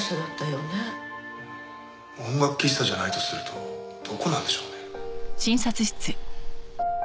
音楽喫茶じゃないとするとどこなんでしょうね？